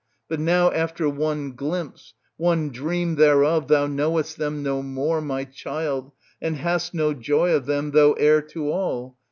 But now after one glimpse, one dream thereof thou knowest them no more,^ my child, and hast no joy of them, though heir to all.